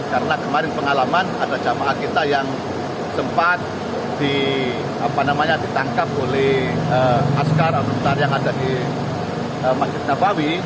karena kemarin pengalaman ada jemaah kita yang sempat ditangkap oleh askar anggota yang ada di masjid nabawi